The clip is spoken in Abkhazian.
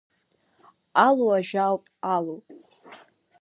Алу ажә ауп, алу!